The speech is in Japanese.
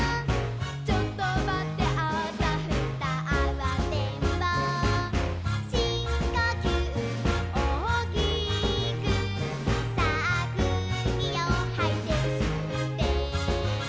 「ちょっとまってあたふたあわてんぼう」「しんこきゅうおおきくさあくうきをはいてすって」